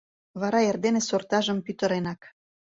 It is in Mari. Вара эрдене сортажым пӱтыренак.